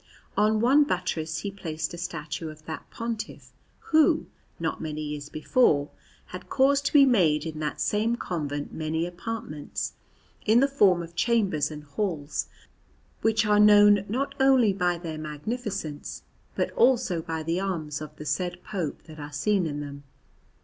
On one buttress he placed a statue of that Pontiff, who, not many years before, had caused to be made in that same convent many apartments, in the form of chambers and halls, which are known not only by their magnificence but also by the arms of the said Pope that are seen in them.